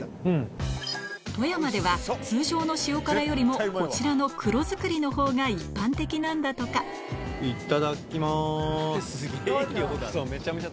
富山では通常の塩辛よりもこちらの「黒作り」のほうが一般的なんだとかいっただっきます。